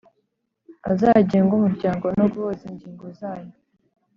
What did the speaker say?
azagenge umuryango no guhuza ingingo zayo